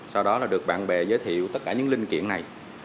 sau đó là được bạn bè giới thiệu tất cả những linh kiện này